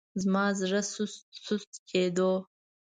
زما زړه سست سست کېدو.